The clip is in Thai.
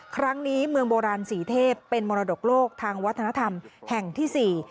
ครั้งนี้เมืองโบราณสีเทพเป็นมรดกโลกทางวัฒนธรรมแห่งที่๔